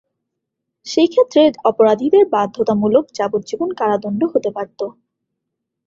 সেই ক্ষেত্রে অপরাধীদের বাধ্যতামূলক যাবজ্জীবন কারাদণ্ড হতে পারত।